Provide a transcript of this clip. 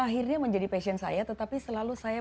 akhirnya menjadi passion saya tetapi selama itu ya